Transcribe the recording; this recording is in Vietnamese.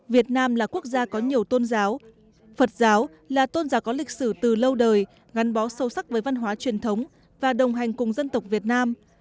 việt nam là quốc gia có nhiều tôn giáo phật giáo là tôn giáo có lịch sử từ lâu đời ngắn bó sâu sắc với văn hóa truyền thống và đồng hành cùng dân tộc việt nam